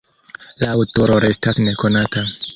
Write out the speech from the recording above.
La aŭtoro restas nekonata.